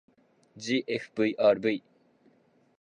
ｇｆｖｒｖ